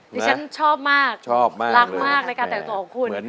ดิฉันชอบมากรักมากในการแต่งตัวของคุณชอบมากเลย